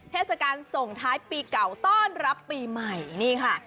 เทศกาลส่งท้ายปีเก่าต้อนรับปีใหม่นี่ค่ะ